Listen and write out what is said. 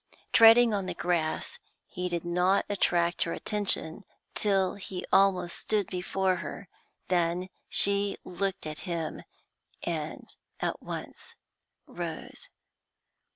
Treading on the grass, he did not attract her attention till he almost stood before her; then she looked at him, and at once rose.